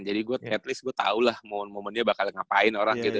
jadi at least gua tau lah momentnya bakal ngapain orang gitu